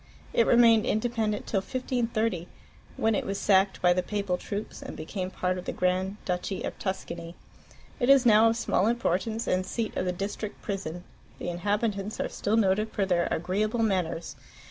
It remained independent till 1530, when it was sacked by the Papal troops and became part of the Grand Duchy of Tuscany. It is now of small importance, and seat of the district prison. The inhabitants are still noted for their agreeable manners.